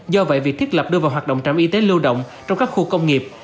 do vậy việc thiết lập đưa vào hoạt động trạm y tế lưu động trong các khu công nghiệp